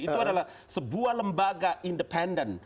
itu adalah sebuah lembaga independen